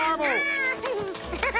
ハハハハ！